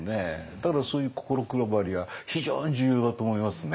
だからそういう心配りは非常に重要だと思いますね。